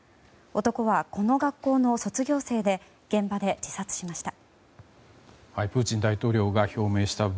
男は、この学校の卒業生で現場で自殺しました。